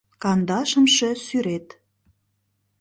Кандашымше сӱрет